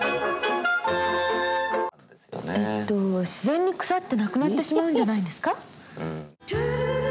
えっと、自然に草ってなくなってしまうんじゃないんですか。